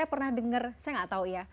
saya pernah dengar saya nggak tahu ya